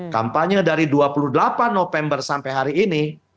kampanye dari dua puluh delapan november sampai hari ini